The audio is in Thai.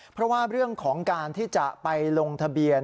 เพราะว่าเรื่องของการที่จะไปลงทะเบียน